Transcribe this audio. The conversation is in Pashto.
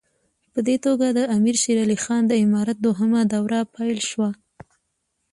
په دې توګه د امیر شېر علي خان د امارت دوهمه دوره پیل شوه.